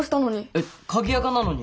えっ鍵アカなのに？